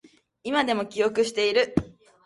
今でも記憶している